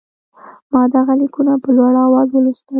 ما دغه لیکونه په لوړ آواز ولوستل.